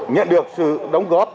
nhận được sự đóng góp